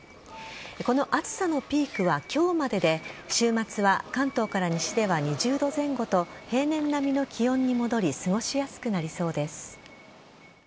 この暑さのピークは今日までで週末は関東から西では２０度前後と平年並みの気温に戻り過ごしやすくなりそうです。